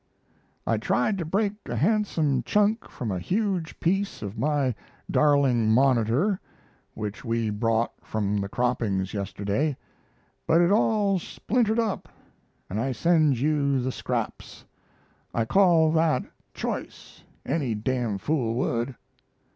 I tried to break a handsome chunk from a huge piece of my darling "Monitor" which we brought from the croppings yesterday, but it all splintered up, and I send you the scraps. I call that "choice" any d d fool would.